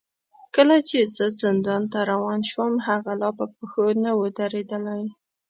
کله چې زه زندان ته روان شوم، هغه لا په پښو نه و درېدلی.